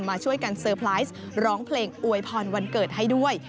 มาช่วยกันเซอร์ไพรส์ร้องเพลงอวยพรวันเกิดให้ด้วย